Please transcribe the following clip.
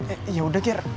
eh yaudah ger